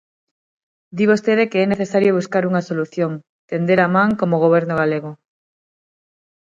Di vostede que é necesario buscar unha solución, tender a man como Goberno galego.